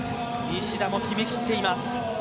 西田も決めきっています。